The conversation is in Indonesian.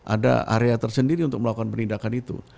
ada area tersendiri untuk melakukan penindakan itu